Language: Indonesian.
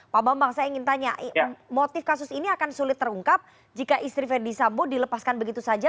pak bambang saya ingin tanya motif kasus ini akan sulit terungkap jika istri verdi sambo dilepaskan begitu saja